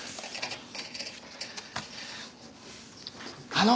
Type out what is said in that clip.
あの。